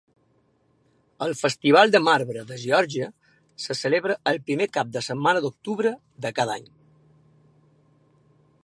El Festival de marbre de Geòrgia se celebra el primer cap de setmana d'octubre de cada any.